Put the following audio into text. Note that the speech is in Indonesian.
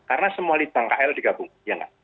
karena semua lidang kl digabung ya nggak